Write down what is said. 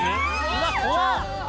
うわっ怖っ！